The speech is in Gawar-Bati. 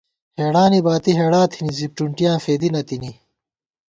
ہېڑانی باتی ہېڑا تھنی ، زِپ ٹُنٹِیاں فېدِی نہ تِنی